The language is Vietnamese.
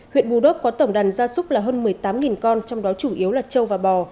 huyện bù đốc có tổng đàn gia súc là hơn một mươi tám con trong đó chủ yếu là châu và bò